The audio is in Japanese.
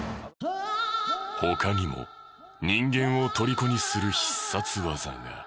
他にも人間をとりこにする必殺技が。